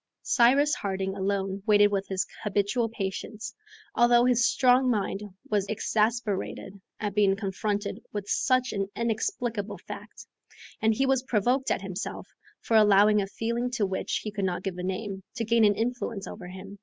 Cyrus Harding alone waited with his habitual patience, although his strong mind was exasperated at being confronted with such an inexplicable fact, and he was provoked at himself for allowing a feeling to which he could not give a name, to gain an influence over him.